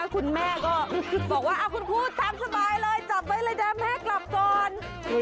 คุณแม่ก็บอกว่าคุณครูตามสบายเลยจับไว้เลยนะแม่กลับก่อน